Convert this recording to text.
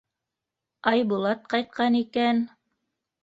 — Айбулат ҡайтҡан икән.